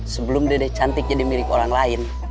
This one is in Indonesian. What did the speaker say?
sebelum dede cantik jadi milik orang lain